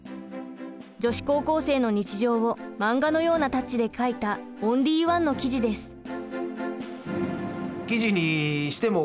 女子高校生の日常を漫画のようなタッチで描いたオンリーワンの生地です。